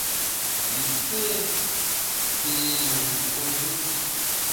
Nji pé té ne nku’njù.